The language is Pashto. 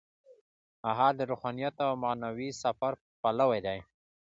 هغه د روحانیت او معنوي سفر پلوی دی.